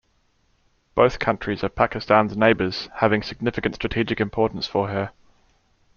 Both countries are Pakistan's neighbours having significant strategic importance for her.